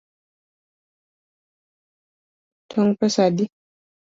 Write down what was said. Tong’ pesa adi?